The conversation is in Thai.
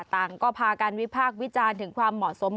ต่างก็พากันวิพากษ์วิจารณ์ถึงความเหมาะสม